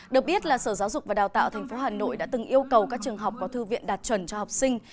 được biết là sở giáo dục và đào tạo tp hà nội đã từng yêu cầu các trường học có thư viện đạt chuẩn cho học sinh